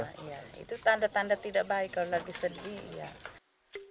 itu tanda tanda tidak baik kalau lagi sedih